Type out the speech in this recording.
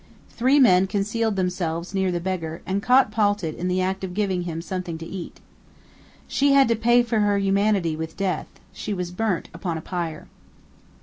Three men concealed themselves near the beggar, and caught Paltit in the act of giving him something to eat. She had to pay for her humanity with death; she was burnt upon a pyre.